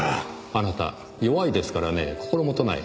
あなた弱いですからね心許ない。